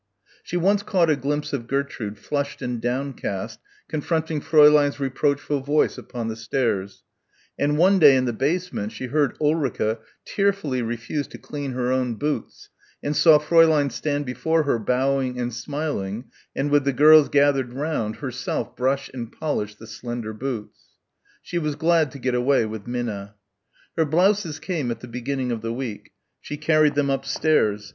She once caught a glimpse of Gertrude flushed and downcast, confronting Fräulein's reproachful voice upon the stairs; and one day in the basement she heard Ulrica tearfully refuse to clean her own boots and saw Fräulein stand before her bowing and smiling, and with the girls gathered round, herself brush and polish the slender boots. She was glad to get away with Minna. Her blouses came at the beginning of the week. She carried them upstairs.